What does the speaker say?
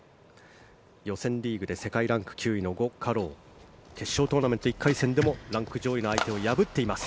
予選リーグで世界ランク９位のゴ・カロウ決勝トーナメント１回戦でもランク上位の相手を破っています。